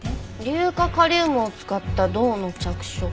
硫化カリウムを使った銅の着色。